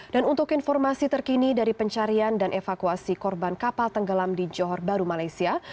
dan untuk informasi terkini dari pencarian dan evakuasi korban kapal tenggelam di johor baru malaysia